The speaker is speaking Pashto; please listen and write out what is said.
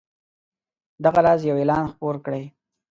دغه راز یو اعلان خپور کړئ.